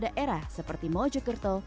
daerah seperti mojokerto